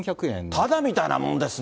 ただみたいなもんですね。